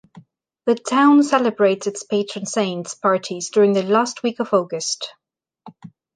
The town celebrates its patron saints parties during the last week of August.